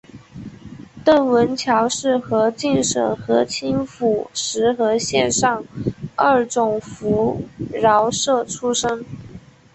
邓文乔是河静省河清府石河县上二总拂挠社出生。